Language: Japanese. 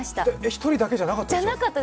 １人だけじゃなかった？